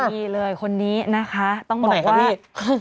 ดีเลยคนนี้นะคะต้องบอกว่า